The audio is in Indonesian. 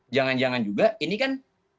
jangan jangan juga ini kan